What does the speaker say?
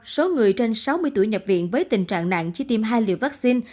số người trên sáu mươi tuổi nhập viện với tình trạng nạn chưa tiêm hai liều vaccine